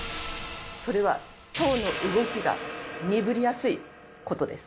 それは腸の動きが鈍りやすいことです